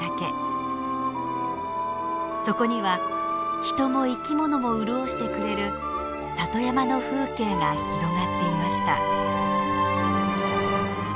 そこには人も生きものも潤してくれる里山の風景が広がっていました。